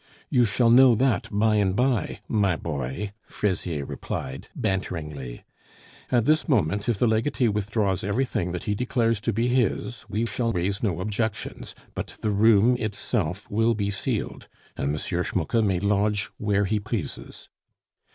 "You shall know that by and by, my boy," Fraisier replied, banteringly. "At this moment, if the legatee withdraws everything that he declares to be his, we shall raise no objections, but the room itself will be sealed. And M. Schmucke may lodge where he pleases."